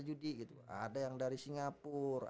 judi gitu ada yang dari singapura